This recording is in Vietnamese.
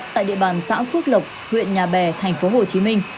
tại địa bàn xã phước lộc huyện nhà bè tp hcm